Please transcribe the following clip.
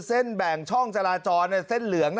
แบ่งช่องจราจรเส้นเหลือง